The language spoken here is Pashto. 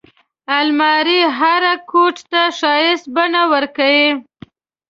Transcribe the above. الماري هر کوټ ته ښايسته بڼه ورکوي